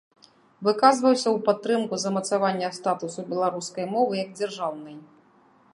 Выказваўся ў падтрымку замацавання статусу беларускай мовы, як дзяржаўнай.